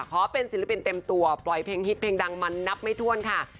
ขอเป็นศิลปินเต็มตัวปล่อยเพลงฮิตเพลงดังมันนับไม่ถ้วนค่ะ